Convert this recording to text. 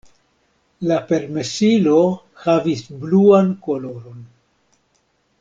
La permesilo havis bluan koloron.